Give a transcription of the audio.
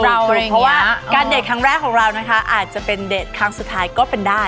เพราะว่าการเด็ดครั้งแรกของเรานะคะอาจจะเป็นเดทครั้งสุดท้ายก็เป็นได้